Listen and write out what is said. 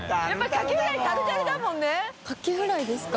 五百城）カキフライですか？